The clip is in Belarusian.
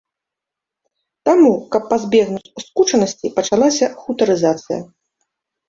Таму, каб пазбегнуць скучанасці, пачалася хутарызацыя.